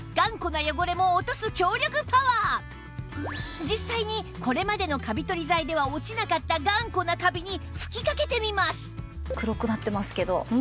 そして実際にこれまでのカビ取り剤では落ちなかった頑固なカビに吹きかけてみます黒くなってますけど。